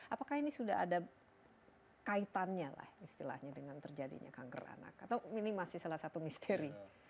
apakah ini sudah ada kaitannya lah istilahnya dengan terjadinya kanker anak atau ini masih salah satu misteri